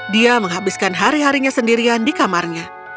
dia menghabiskan hari harinya sendirian di kamarnya